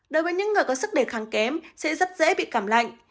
đối với những người có sức đề kháng kém sẽ rất dễ bị cảm lạnh